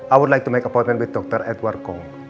aku ingin membuat janji temu dengan dr edward kong